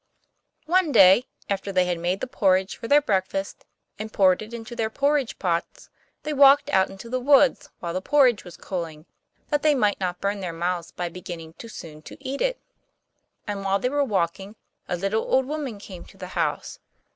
One day, after they had made the porridge for their breakfast, and poured it into their porridge pots, they walked out into the wood while the porridge was cooling, that they might not burn their mouths by beginning too soon to eat it. And while they were walking, a little old woman came to the house.